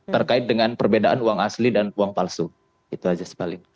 terkait dengan perbedaan uang asli dan uang palsu itu aja sebaliknya